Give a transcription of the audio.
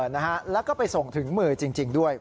นะฮะแล้วก็ไปส่งถึงมือจริงด้วย